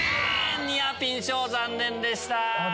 ニアピン賞残念でした。